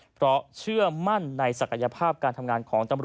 เพราะเชื่อมั่นในศักยภาพการทำงานของตำรวจ